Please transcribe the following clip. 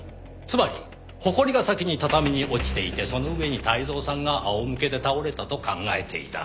つまりホコリが先に畳に落ちていてその上に泰造さんが仰向けで倒れたと考えていた。